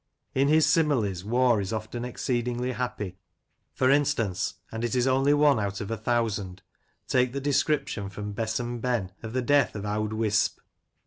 In his similes Waugh is often exceedingly happy: for instance, and it is only one out of a thousand, take the description, firom "Besom Ben," of the death of "Owd Wisp."